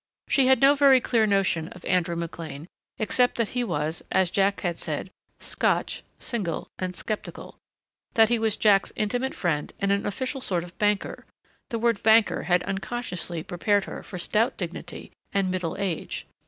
She had no very clear notion of Andrew McLean except that he was, as Jack had said, Scotch, single, and skeptical, that he was Jack's intimate friend and an official sort of banker and the word banker had unconsciously prepared her for stout dignity and middle age.